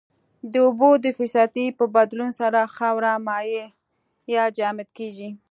د اوبو د فیصدي په بدلون سره خاوره مایع یا جامد کیږي